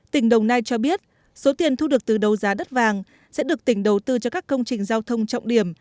tỉnh đồng nai cho biết số tiền thu được từ đấu giá đất vàng sẽ được tỉnh đầu tư cho các công trình giao thông trọng điểm